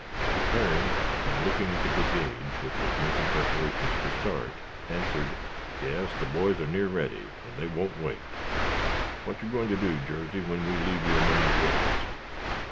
He turned, and looking at the brigade, which was making preparations to start, answered: "Yas; the boys are near ready, and they won't wait. What yer goin' to do, Jarsey, when we leave you 'mong the reds?"